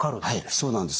そうなんです。